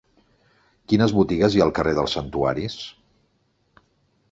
Quines botigues hi ha al carrer dels Santuaris?